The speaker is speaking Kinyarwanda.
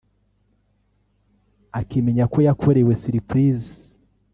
Akimenya ko yakorewe surprise